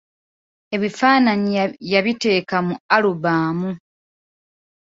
Ebifaananyi yabiteeka mu 'alubamu".